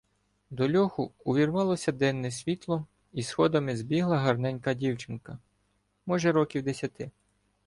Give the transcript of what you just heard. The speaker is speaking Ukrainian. До льоху увірвалося денне світло, і сходами збігла гарненька дівчинка, може, років десяти.